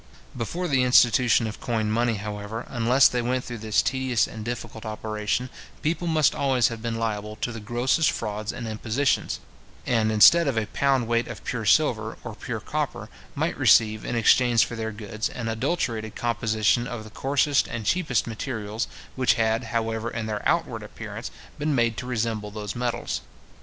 Before the institution of coined money, however, unless they went through this tedious and difficult operation, people must always have been liable to the grossest frauds and impositions; and instead of a pound weight of pure silver, or pure copper, might receive, in exchange for their goods, an adulterated composition of the coarsest and cheapest materials, which had, however, in their outward appearance, been made to resemble those metals.